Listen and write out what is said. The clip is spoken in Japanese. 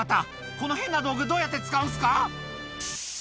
この変な道具、どうやって使うんですか？